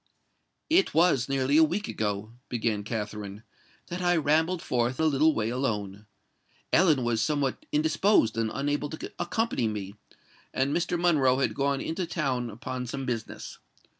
"It was nearly a week ago," began Katherine "that I rambled forth a little way alone. Ellen was somewhat indisposed and unable to accompany me; and Mr. Monroe had gone into town upon some business.